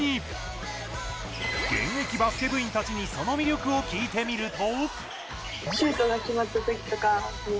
現役バスケ部員たちにその魅力を聞いてみると。